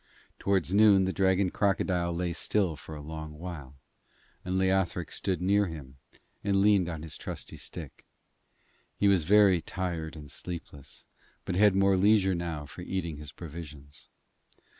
Towards noon the dragon crocodile lay still for a long while, and Leothric stood near him and leaned on his trusty stick. He was very tired and sleepless, but had more leisure now for eating his provisions.